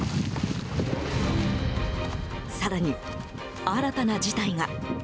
更に新たな事態が。